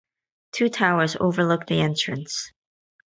Two towers overlook the entrance.